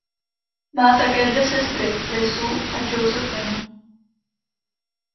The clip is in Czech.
Má také dvě sestry Lisu a Josephine.